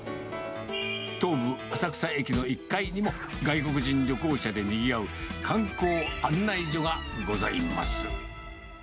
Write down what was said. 東武浅草駅の１階にも、外国人旅行者でにぎわう、観光案内所がございます。